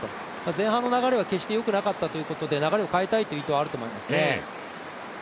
前半の流れは決してよくなかったということで、流れを変えたいという意図はあるかと思いますね。